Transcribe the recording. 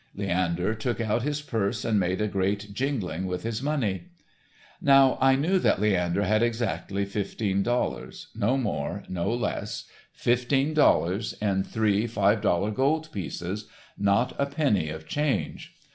Leander took out his purse and made a great jingling with his money. Now, I knew that Leander had exactly fifteen dollars—no more, no less—fifteen dollars, in three five dollar gold pieces—not a penny of change.